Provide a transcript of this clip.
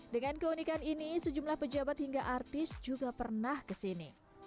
dan keunikan ini sejumlah pejabat hingga artis juga pernah kesini